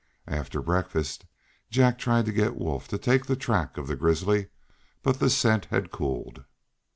After breakfast Jack tried to get Wolf to take the track of the grizzly, but the scent had cooled.